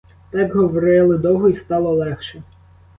Так говорили довго — і стало легше.